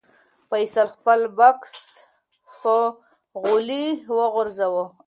فیصل خپل بکس په غولي وغورځاوه.